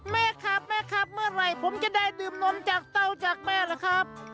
แม่ครับเมื่อไหร่ผมจะได้ดื่มนมเต้าจากแม่หรือครับ